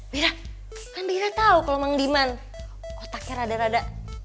bira kan bira tau kalau emang diman otaknya rada rada